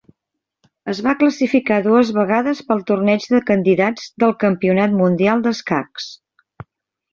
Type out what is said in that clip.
Es va classificar dues vegades pel Torneig de candidats del Campionat mundial d'escacs.